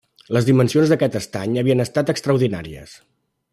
Les dimensions d'aquest estany havien estat extraordinàries.